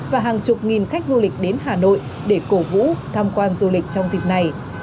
và hàng chục nghìn khách du lịch đến hà nội để cổ vũ tham quan du lịch trong dịp này